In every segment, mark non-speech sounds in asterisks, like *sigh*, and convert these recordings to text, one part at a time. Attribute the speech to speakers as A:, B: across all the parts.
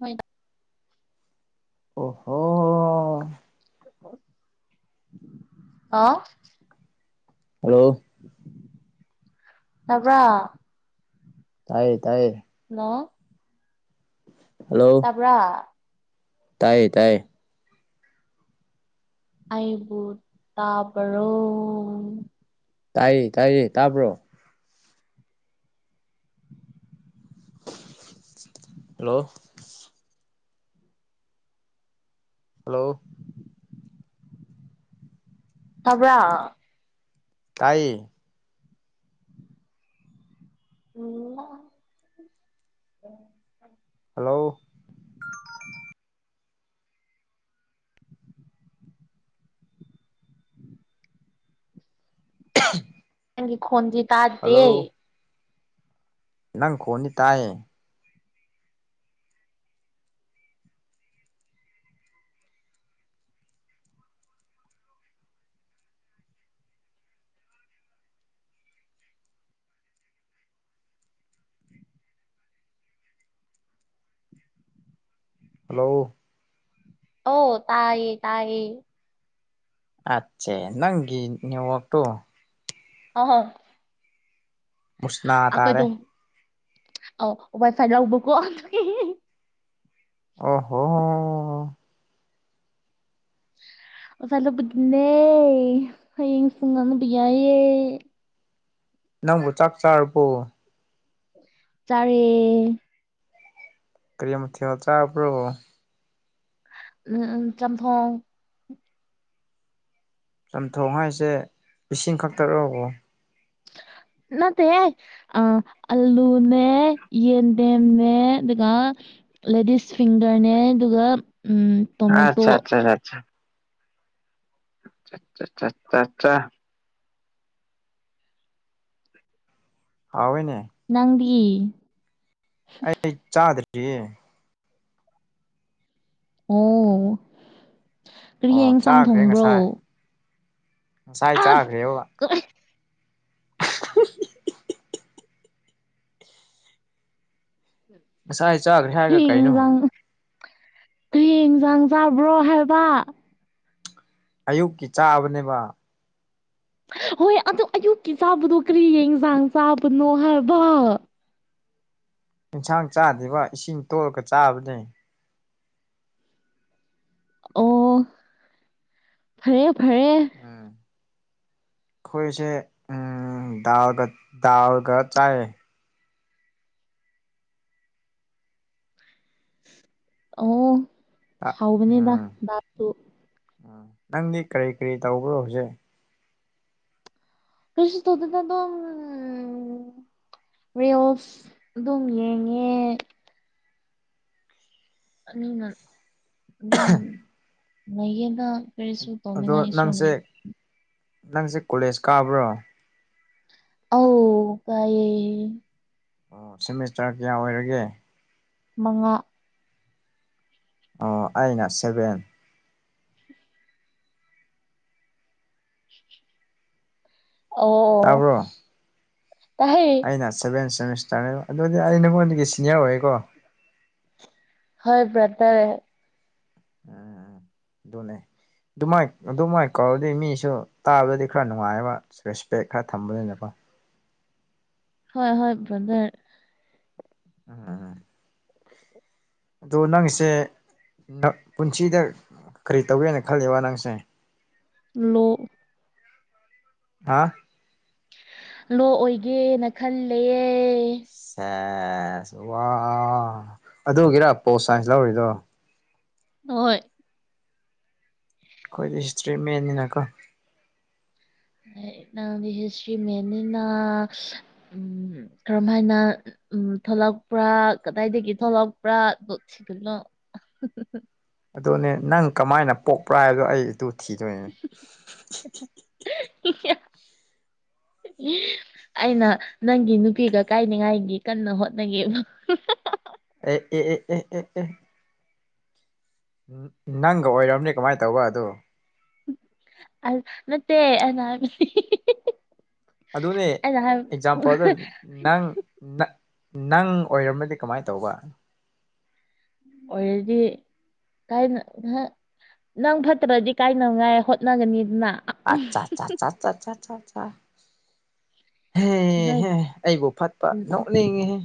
A: ꯍꯣꯏ
B: ꯑꯣꯍꯣ ꯍ
A: ꯍ ꯑ
B: ꯍꯜꯂꯣ
A: ꯇꯕ꯭ꯔ
B: ꯇꯥꯏꯌꯦ ꯇꯥꯏꯌꯦ
A: ꯍꯂꯣ
B: ꯍꯜꯂꯣ
A: ꯄꯨ꯭ꯔꯥ
B: ꯇꯥꯏꯌꯦ ꯇꯥꯏꯌꯦ
A: ꯑꯩꯕꯨ ꯇꯥꯕꯔꯣ
B: ꯇꯥꯏꯌꯦ ꯇꯥꯏꯌꯦ ꯇꯥꯕ꯭ꯔꯣ ꯍꯜꯂꯣ ꯍꯜꯂꯣ
A: ꯇꯕ꯭ꯔ
B: ꯇꯥꯏꯌꯦ
A: ꯎꯝ
B: ꯍꯜꯂꯣ
A: *unintelligible*
B: *unintelligible*
A: ꯅꯪꯒꯤ ꯈꯣꯟꯗꯤ ꯇꯥꯗꯦ
B: ꯍꯜꯂꯣ ꯅꯪ ꯈ‌ꯣꯟꯗꯤ ꯇꯥꯏꯌꯦ ꯍꯜꯂꯣ
A: ꯑꯣ ꯇꯥꯥꯏꯌꯦ ꯇꯥꯏꯌꯦ
B: ꯑꯆꯦ ꯅꯪꯒꯤ ꯅ‌ꯦꯋꯥꯛꯇꯣ
A: ꯍ‌ꯣ ꯍ‌ꯣꯏ
B: ꯃꯨꯁꯅꯥ ꯇꯥꯔꯦ
A: ꯑꯩꯈꯣꯏꯗꯣ ꯑꯥꯎ ꯋꯥꯏꯐꯥꯏ ꯂꯧꯕꯀꯣ
B: ꯑꯣ ꯍꯣ
A: ꯑꯣꯖꯥ ꯂꯧꯕꯗꯨꯅ‌ꯦ ꯍꯥꯌ‌ꯦꯡ ꯄꯨꯡ ꯑꯃꯗ ꯌꯥꯏꯌ‍ꯦ
B: ꯅꯪꯕꯨ ꯆꯥꯛ ꯆꯥꯔꯔꯕꯣ
A: ꯆꯔꯦ
B: ꯀꯔꯤ ꯃꯊꯦꯜ ꯆꯥꯕ꯭ꯔꯣ
A: ꯎꯝ ꯎꯝ ꯆꯝꯊ‌ꯣꯡ
B: ꯆꯝꯊꯣꯡ ꯍꯥꯏꯁꯦ ꯏꯁꯤꯡ ꯈꯛꯇꯔꯣꯕꯣ
A: ꯅꯠꯇꯦ ꯑ ꯑꯜꯂꯨꯅꯦ ꯌꯦꯟꯗꯦꯝꯝꯅ ꯑꯗꯨꯒꯀ ꯂꯦꯗꯤꯁ ꯐꯤꯡꯒꯔꯅꯦ ꯑꯗꯨꯒ ꯇꯣꯃꯦꯇꯣ
B: ꯑꯆꯥ ꯑꯠꯆꯥ ꯆꯥꯆꯥ ꯍꯥꯎꯣꯏꯅꯦ
A: ꯅꯪꯗꯤ
B: ꯑꯩ ꯆꯥꯗ꯭ꯔꯤꯁꯤ
A: ꯑꯣ ꯀꯔꯤꯌꯦ
B: ꯑꯣ
A: ꯑꯦꯟꯁꯥꯡ
B: ꯆꯥꯈ꯭ꯔꯦ
A: ꯊꯣꯡꯕ꯭ꯔꯣ
B: ꯉꯁꯥꯏ ꯉꯁꯥꯏ
A: ꯑꯁ
B: ꯆꯥꯈ꯭ꯔꯦꯕ
A: ꯀꯔꯤ
B: ꯉꯁꯥꯏ ꯑꯩ ꯆꯥꯈ꯭ꯔꯦ ꯍꯥꯏꯔꯒ ꯀꯩꯅꯣ
A: ꯀ ꯏꯟꯁꯥꯡ ꯆꯥꯕ꯭ꯔꯣ ꯍꯥꯏꯕ
B: ꯑꯌꯨꯛꯀꯤ ꯆꯥꯕꯅꯦꯕ
A: ꯍꯣꯏ ꯑꯗꯨ ꯑꯌꯨꯛꯀꯤ ꯆꯥꯕꯗꯣ ꯀꯔꯤ ꯌꯦꯟꯁꯥꯡ ꯆꯥꯕꯅꯣ ꯍꯥꯏꯕ
B: ꯑꯦꯟꯁꯥꯡ ꯆꯥꯗ꯭ꯔꯤꯕ ꯏꯁꯤꯡ ꯇꯣꯂꯒ ꯆꯥꯕꯅꯦ
A: ꯑꯣ ꯐꯔꯦ ꯐꯔꯦ
B: ꯎꯝ ꯑꯩꯈꯣꯏꯁꯦ ꯗꯥ ꯗꯥꯜꯒ ꯆꯥꯏ
A: ꯑꯣ ꯍꯥꯎꯕꯅꯤꯗ
B: ꯎꯝ
A: ꯗꯥꯜꯁꯨ
B: ꯎꯝ ꯅꯪꯗꯤ ꯀꯔꯤ ꯀꯔꯤ ꯇꯧꯕ꯭ꯔꯣ ꯍꯧꯖꯤꯛ
A: ꯀꯁꯤ ꯁꯗ ꯅ ꯑꯗꯨꯣ ꯎ ꯦ ꯑꯣꯐ ꯑꯗꯨꯝ ꯌꯦꯡꯉꯦ ꯑꯅꯤꯅ ꯑꯗꯨꯝ ꯃꯌꯦꯗ ꯐꯁꯨ ꯇꯃꯤ
B: ꯑꯗꯣ
A: ꯉꯥꯏꯁꯨꯣ ꯅ
B: ꯅꯪꯁꯦ ꯅꯪꯁꯦ ꯀꯣꯂꯦꯖ ꯀꯥꯕ꯭ꯔꯣ
A: ꯑ ꯀꯑꯌꯦ
B: ꯑꯣ ꯁꯦꯃꯤꯁꯇꯔ ꯀꯌꯥ ꯑꯣꯏꯔꯒꯦ
A: ꯃꯉꯥ
B: ꯑꯣ ꯑꯩꯅ ꯁꯚꯦꯟ
A: ꯑꯣ
B: ꯇꯥꯕ꯭ꯔꯣ
A: ꯇꯥꯏ
B: ꯑꯩꯅ ꯁꯚꯦꯟ ꯁꯦꯃꯤꯁꯇꯔꯅꯦꯕ ꯑꯗꯨꯗꯤ ꯑꯩ ꯅꯉꯣꯟꯗꯒꯤ ꯁꯤꯅꯤꯌꯔ ꯑꯣꯏꯌꯦꯀꯣ
A: ꯍꯣꯏ ꯕ꯭ꯔꯥꯗꯔꯦ
B: ꯑ ꯑꯗꯨꯃꯥꯏꯅ ꯑꯗꯨꯃꯥꯏꯅ ꯀꯧꯗꯤ ꯃꯤꯁꯨ ꯇꯥꯕꯗꯗꯤ ꯈꯔ ꯅꯨꯡꯉꯥꯏꯑꯕ ꯔꯦꯁꯄꯦꯛ ꯈꯔ ꯊꯝꯕꯅꯤꯅꯀꯣ
A: ꯍꯣꯏ ꯍꯣꯏ ꯟꯗꯔ
B: *inaudible* ꯑꯗꯣ ꯅꯪꯁꯦ ꯄꯨꯟꯁꯤꯗ ꯀꯔꯤ ꯇꯧꯒꯦꯅ ꯈꯜꯜꯂꯤꯕ ꯅꯪꯁꯦ
A: ꯂꯣ
B: ꯍꯥ
A: ꯂꯣ ꯑꯣꯏꯒꯦꯅ ꯈꯜꯂꯦꯌꯦꯦ
B: ꯁꯦꯁ ꯋꯥ ꯑꯗꯨꯒꯤꯔ ꯄꯣꯁ ꯁꯥꯏꯟꯁ ꯂꯧꯔꯤꯗꯣ
A: ꯍꯍꯣꯏ
B: ꯑꯩꯈꯣꯏꯗꯤ ꯍꯤꯁꯇ꯭ꯔꯤ ꯃꯦꯟꯅꯤꯅꯀꯣ
A: ꯅꯪꯗꯤ ꯍꯤꯁꯇ꯭ꯔꯤ ꯃꯅꯤꯅ ꯀꯔꯝ ꯍꯥꯏꯥꯏꯅ ꯎꯝ ꯊꯣꯛꯂꯛꯄ꯭ꯔꯥ ꯀꯗꯥꯏꯗꯒꯤ ꯊꯣꯛꯂꯛꯄ꯭ꯔꯥ ꯁꯤꯗꯅꯣ
B: ꯑꯗꯨꯅꯦ ꯅꯪ ꯀꯃꯥꯏꯅ ꯄꯣꯛꯄ꯭ꯔꯥ ꯍꯥꯏꯗꯣ ꯑꯩ ꯑꯗꯨ ꯊꯤꯗꯣꯏꯅꯦ
A: ꯏ ꯑꯩꯅ ꯅꯪꯒꯤ ꯅꯨꯄꯤꯒ ꯀꯥꯏꯅꯤꯉꯥꯏꯒꯤ ꯀꯟꯅ ꯍꯣꯠꯅꯉ
B: ꯑꯦ ꯑꯦ ꯑꯦ ꯑꯦ ꯑꯦ ꯑꯦ ꯎ ꯅꯪꯒ ꯑꯣꯏꯔꯕꯅꯦ ꯀꯃꯥꯏꯅ ꯇꯧꯕ ꯑꯗꯣ
A: ꯑꯜ ꯃꯦ ꯑꯅꯥꯁꯤ
B: ꯑꯗꯨꯅꯦ ꯑꯦꯛꯖꯥꯝꯄꯜꯗ ꯅꯪ ꯅꯪ ꯑꯣꯏꯔꯝꯃꯗꯤ ꯀꯃꯥꯏꯅ ꯇꯧꯕ
A: ꯑꯣꯏꯔꯦꯗꯤ ꯥꯏ ꯅꯪ ꯐꯠꯇ꯭ꯔꯗꯤ ꯀꯥꯏꯅꯉꯥꯏ ꯍꯣꯠꯅꯒꯅꯤꯗꯅ
B: ꯑꯆꯥꯆꯥ
A: ꯅꯣꯏ
B: ꯍꯦꯍꯦ ꯑꯩꯕꯨ ꯐꯠꯄ ꯅꯣꯛꯅꯤꯡꯉꯦꯍꯦ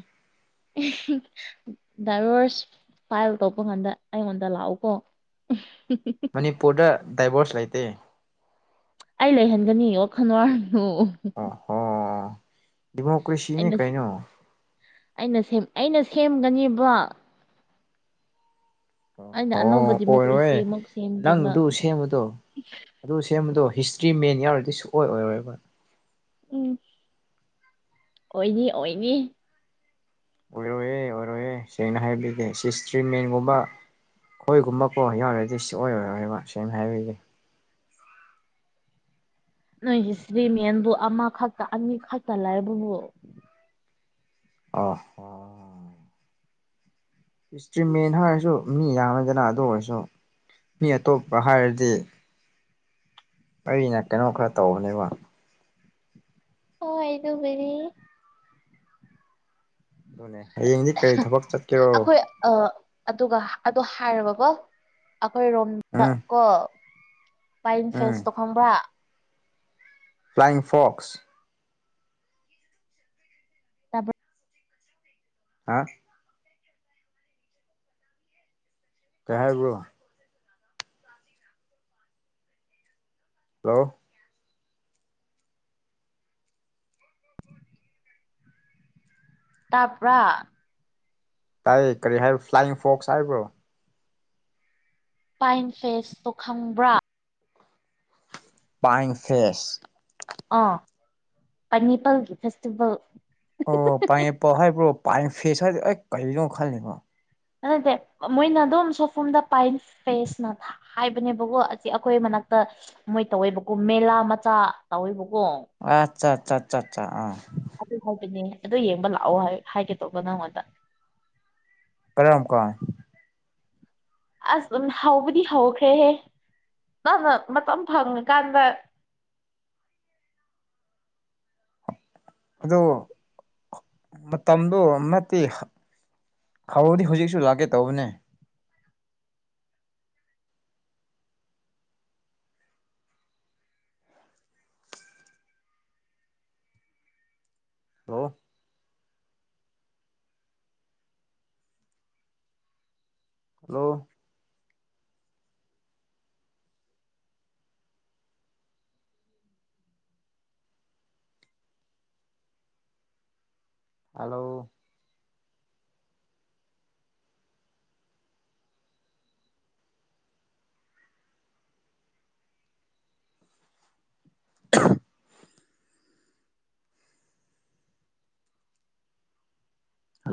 A: *unintelligible* ꯗꯥꯏꯚꯣꯔꯁ ꯐꯥꯏꯜ ꯇꯧꯄ ꯀꯥꯟꯗ ꯑꯩꯉꯣꯟꯗ ꯂꯥꯛꯎꯀꯣ
B: ꯃꯅꯤꯄꯨꯔꯗ ꯗꯥꯏꯕꯣꯔꯁ ꯂꯩꯇꯦ
A: ꯑꯩ ꯂꯩꯍꯟꯒꯅꯤ ꯌꯣ ꯈꯅꯣ
B: ꯑꯣ ꯗꯗꯤꯃꯣꯀ꯭ꯔꯦꯁꯤꯅꯦ
A: ꯑꯩꯅ ꯁꯤ-
B: ꯀꯥꯏꯩꯅꯣ
A: ꯑꯩꯅ ꯁꯦꯝ ꯑꯩꯅ ꯁꯦꯝꯒꯅꯦꯕꯣ ꯑꯩꯅ ꯑꯅꯧꯕ
B: ꯑꯣ
A: ꯗꯦꯃꯣꯀ꯭ꯔꯦꯁꯤ
B: ꯑꯣꯏꯔꯣꯏ
A: ꯑꯃꯨꯛ
B: ꯅꯪ
A: ꯁꯦꯝꯒꯦꯕ
B: ꯑꯗꯨ ꯁꯦꯝꯕꯗꯣ ꯑꯗꯨ ꯁꯦꯝꯕꯗꯣ ꯍꯤꯁꯇ꯭ꯔꯤ ꯃꯦꯟ ꯌꯥꯎꯔꯗꯤ ꯁꯨꯛꯑꯣ ꯑꯣꯏꯔꯣꯏꯕ
A: ꯎꯝ ꯑꯣꯏꯅꯤ ꯑꯣꯏꯅꯤ
B: ꯑꯣꯏꯔꯣꯏꯌꯦꯦ ꯑꯣꯏꯔꯣꯏꯌꯦꯦ ꯁꯦꯡꯅ ꯍꯥꯏꯕꯤꯒꯦ ꯁꯤꯤꯁꯇ꯭ꯔꯤ ꯃꯦꯟꯒꯨꯝꯕ ꯍꯣꯏꯒꯨꯝꯕꯀꯣ ꯌꯥꯎꯔꯗꯤ ꯁꯤ ꯑꯣꯏꯔꯔꯣꯏꯕ ꯁꯅ ꯍꯥꯏꯔꯤꯒꯦ
A: ꯅꯣꯏ ꯍꯤꯁꯇ꯭ꯔꯤꯃꯦꯟꯕꯨ ꯑꯃꯈꯛꯇ ꯑꯅꯤꯈꯛꯇ ꯂꯩꯕꯕꯨ
B: ꯑ ꯑꯣ ꯏꯁꯇ꯭ꯔꯤꯝꯃꯦꯟ ꯍꯥꯏꯔꯁꯨ ꯃꯤ ꯌꯥꯝꯅꯗꯅ ꯑꯗꯨ ꯑꯣꯏꯔꯁꯨ ꯃꯤ ꯑꯇꯣꯞꯄ ꯍꯥꯏꯔꯗꯤ ꯑꯩꯅ ꯀꯩꯅꯣ ꯈꯔ ꯇꯧꯕꯅꯦꯕ
A: ꯑꯣ ꯍꯥꯏꯣ ꯔꯤ
B: ꯑꯗꯨꯅꯦ ꯍꯌꯦꯡꯗꯤ ꯀꯔꯤ ꯊꯕꯛ ꯆꯠꯀꯦꯔꯣ
A: ꯑ ꯑꯗꯨꯒ ꯑꯗꯣ ꯍꯥꯏꯔꯕꯀꯣ ꯑꯩꯈꯣꯏ ꯔꯣꯝꯗ
B: ꯎꯝ
A: ꯀꯣ ꯄꯥꯏꯟ
B: ꯎꯝ
A: ꯐꯦꯁꯇꯣ ꯈꯪꯕ꯭ꯔꯥ
B: ꯐ꯭ꯂꯥꯏꯡ ꯐꯣꯛꯁ
A: ꯇꯕꯡ
B: ꯍꯥꯥ ꯀꯍꯦꯕꯨꯣ ꯍꯜꯂꯣ
A: ꯇꯥꯄ
B: ꯇꯥꯏ ꯀꯔꯤ ꯍꯥꯏꯕ ꯐ꯭ꯂꯥꯏꯌꯤꯡ ꯐꯣꯛꯁ ꯍꯥꯏꯕ꯭ꯔꯣ
A: ꯄꯥꯏꯟ ꯐꯦꯁꯇꯣ ꯈꯪꯕ꯭ꯔꯥ
B: ꯄꯥꯏ ꯐ꯭ꯔꯦꯁ
A: ꯑꯥ ꯄꯅꯦꯄꯜꯒꯤ ꯐꯦꯁꯇꯤꯚꯦꯜ
B: ꯑꯣ ꯄꯥꯏꯦꯄꯜ ꯍꯥꯏꯕ꯭ꯔꯣ ꯄꯥꯏ ꯐꯦꯁ ꯍꯥꯏꯕꯣ ꯑꯩ ꯀꯔꯤꯅꯣ ꯈꯜꯂꯤꯕꯣ
A: ꯑꯗꯨꯠꯇꯗꯤ ꯃꯣꯏꯅ ꯑꯗꯨꯝ ꯁꯣꯐꯝꯗ ꯄꯥꯏꯟ ꯐꯦꯁꯅ ꯍꯥꯏꯕꯅꯦꯕꯀꯣ ꯑꯁꯤ ꯑꯩꯈꯣꯏ ꯃꯅꯥꯛꯇ ꯃꯣꯏ ꯇꯧꯋꯦꯕꯀꯣ ꯃꯦꯂꯥ ꯃꯆꯥ ꯇꯧꯋꯦꯕꯀꯣ
B: ꯑꯆꯥ ꯑꯆꯥ ꯑꯆꯥ ꯑꯆꯥ ꯑ
A: ꯑꯗꯨ ꯍꯥꯏꯕꯅꯦ ꯑꯗꯨ ꯌꯦꯡꯕ ꯂꯥꯛꯑꯣ ꯍꯥꯏꯒꯦ ꯇꯧꯕꯧꯕ ꯅꯪꯉꯣꯟꯗ
B: ꯀꯔꯝꯀꯣ
A: ꯑꯁ ꯑꯗꯨꯝ ꯍꯧꯕꯗꯤ ꯍꯧꯈ꯭ꯔꯦꯍꯦ ꯅꯪꯅ ꯃꯇꯝ ꯐꯪꯉꯀꯥꯟꯗ
B: ꯑꯗꯣ ꯃꯇꯝꯗꯨꯣ ꯅꯠꯇꯤ ꯍꯧꯗꯤ ꯍꯧꯖꯤꯛꯁꯨ ꯂꯥꯛꯀꯦ ꯇꯧꯕꯅꯦ ꯑꯣ ꯍꯜꯂꯣ ꯍꯜꯂꯣ *inaudible*